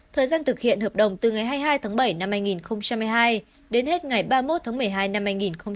thời gian thực hiện hợp đồng từ ngày hai mươi hai tháng bảy năm hai nghìn hai mươi hai đến hết ngày ba mươi một tháng một mươi hai năm hai nghìn hai mươi